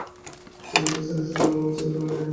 সেই ব্যক্তির শ্রীচরণ আমি মস্তকে ধারণ করিয়া আছি।